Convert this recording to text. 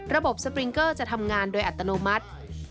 สปริงเกอร์จะทำงานโดยอัตโนมัติ